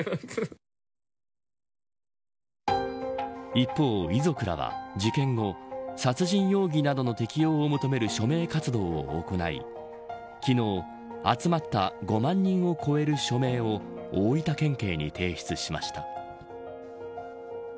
一方、遺族らは事件後殺人容疑などの適用を求める署名活動を行い昨日、集まった５万人を超える署名を大分県警に提出しました。